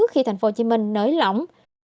khi thành phố hồ chí minh nới lỏng